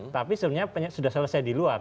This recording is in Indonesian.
tapi sebenarnya sudah selesai di luar